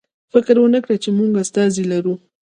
فکر ونکړئ چې موږ استازی لرو.